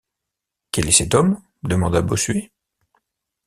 Quel est cet homme ? demanda Bossuet.